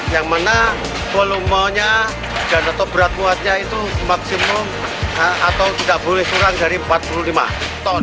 yang mana volumenya dan atau berat muatnya itu maksimum atau tidak boleh kurang dari empat puluh lima ton